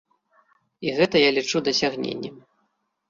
І гэта я лічу дасягненнем.